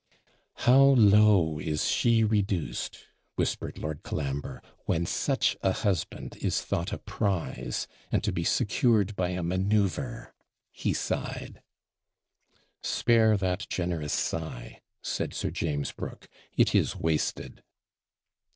'How low is she reduced,' whispered Lord Colambre, 'when such a husband is thought a prize and to be secured by a manoeuvre!' He sighed. 'Spare that generous sigh!' said Sir James Brooke; 'it is wasted.'